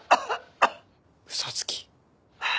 「」嘘つき。